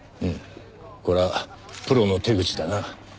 うんこれはプロの手口だな。